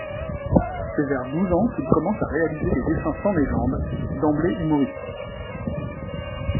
C'est vers douze ans qu'il commence à réaliser des dessins sans légende, d'emblée humoristiques.